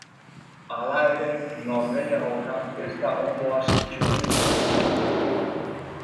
Hala ere, norgehiagoka ez da ondo hasi txuri-urdinentzat.